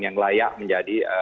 yang layak menjadi